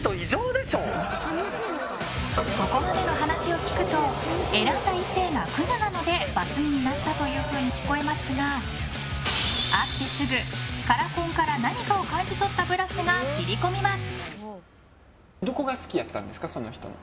ここまでの話を聞くと選んだ異性がクズなのでバツ２になったというふうに聞こえますが会ってすぐカラコンから何かを感じ取ったブラスが切り込みます。